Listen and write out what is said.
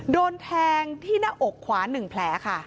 โดนแทงที่หน้าอกขวา๑แผลค่ะ